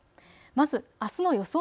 まず、あすの予想